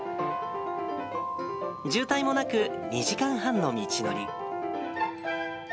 渋滞もなく、２時間半の道のり。